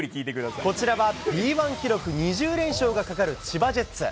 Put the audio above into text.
こちらはＢ１記録２０連勝がかかる、千葉ジェッツ。